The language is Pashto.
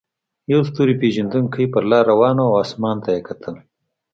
یو ستور پیژندونکی په لاره روان و او اسمان ته یې کتل.